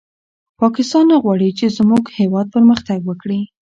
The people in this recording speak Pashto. پاکستان نه غواړي چې زموږ هېواد پرمختګ وکړي.